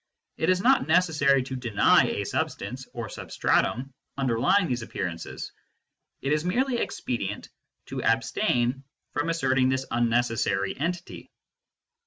It is not necessary to deny a substance or substratum underly ing these appearances ; it is merely expedient to abstain from asserting this unnecessary entity.